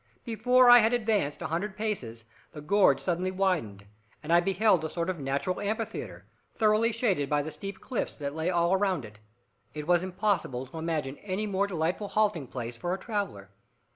Before I had advanced a hundred paces, the gorge suddenly widened, and I beheld a sort of natural amphitheatre, thoroughly shaded by the steep cliffs that lay all around it. It was impossible to imagine any more delightful halting place for a traveller.